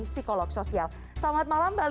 selamat malam mbak